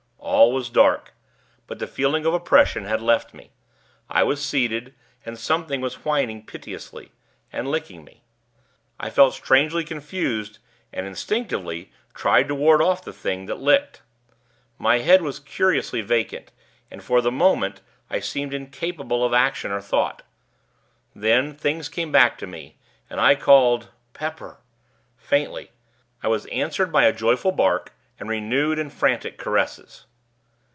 All was dark; but the feeling of oppression had left me. I was seated, and something was whining piteously, and licking me. I felt strangely confused, and, instinctively, tried to ward off the thing that licked. My head was curiously vacant, and, for the moment, I seemed incapable of action or thought. Then, things came back to me, and I called 'Pepper,' faintly. I was answered by a joyful bark, and renewed and frantic caresses.